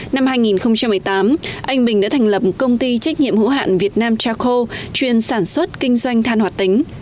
năm hai nghìn một mươi tám anh bình đã thành lập công ty trách nhiệm hữu hạn việt nam chako chuyên sản xuất kinh doanh than hoạt tính